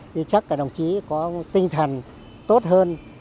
thì chắc là đồng chí có tinh thần tốt hơn